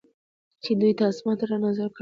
چې دوی ته د آسمان نه را نازل کړل شي